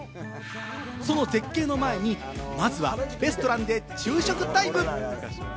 その絶景の前にまずはレストランで昼食タイム。